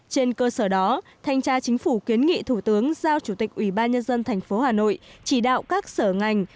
trên cơ sở đó thanh tra chính phủ kiến nghị thủ tướng giao chủ tịch ủy ban nhân dân tp hà nội chỉ đạo các sở ngành